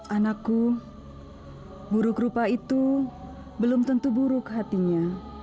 anakku buruk rupa itu belum tentu buruk hatinya